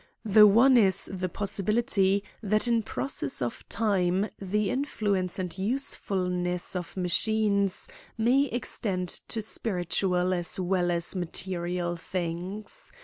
The one is the possibility that in process of time the influ ence and usefulness of machines may extend to spiritual as well as material things.